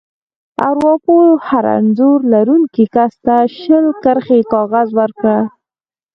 ارواپوه هر انځور لرونکي کس ته شل کرښې کاغذ ورکړ.